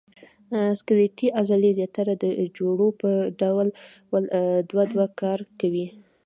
سکلیټي عضلې زیاتره د جوړو په ډول دوه دوه کار کوي.